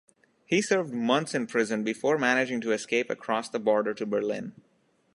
He served months in prison before managing to escape across the border to Berlin.